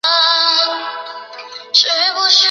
彬乌伦为该镇之首府。